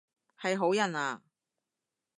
係好人啊？